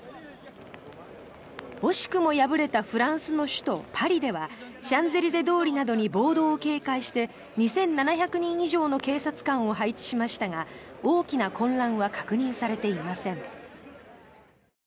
惜しくも敗れたフランスの首都パリではシャンゼリゼ通りなどに暴動を警戒して２７００人以上の警察官を配置しましたが大きな混乱は確認されていません。